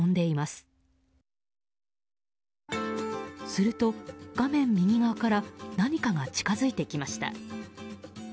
すると、画面右側から何かが近づいてきました。